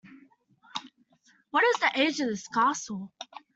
What is the age of this castle?